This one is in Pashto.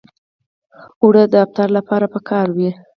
اوړه د افطار لپاره پکار وي